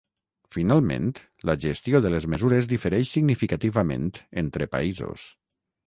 Finalment, la gestió de les mesures difereix significativament entre països.